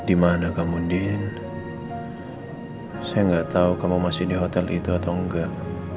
hai dimana kamu din saya nggak tahu kamu masih di hotel itu atau enggak